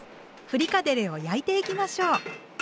フリカデレを焼いていきましょう。